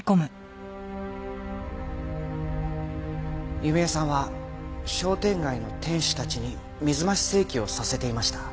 弓江さんは商店街の店主たちに水増し請求をさせていました。